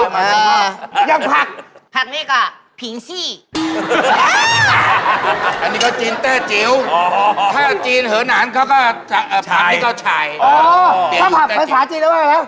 มีก็ถูงมานี่